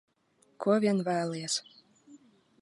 Ko vien vēlies.